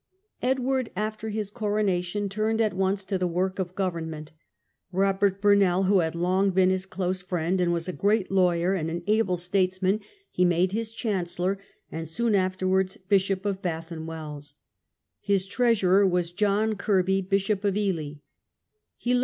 Edward, after his coronation, turned at once to the work of government. Robert Bumell, who had long been Hi advi ^^^^^^^^ friend, and was a great lawyer and "* an able statesman, he made his chancellor, and soon afterwards Bishop of Bath and Wells. His treasurer was John Kirkby, Bishop of Ely.